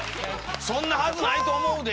そんなはずないと思うで。